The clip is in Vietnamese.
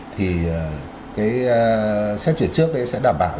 thì xét truyền trước sẽ đảm bảo cho việc khách đến việt nam là